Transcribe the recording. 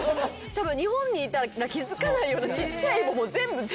たぶん日本にいたら気付かないようなちっちゃいイボも全部取られて。